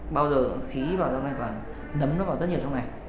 bao giờ khí vào trong này và nấm nó vào rất nhiều trong này